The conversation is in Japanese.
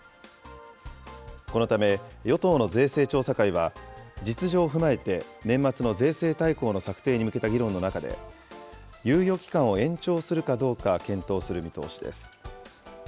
このため、与党の税制調査会は、実情を踏まえて年末の税制大綱の策定に向けた議論の中で、猶予期間を延長するかどうか検討する見通しです。